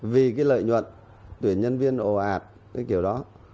vì cái lợi nhuận tuyển nhân viên ồ ạt cái kiểu đó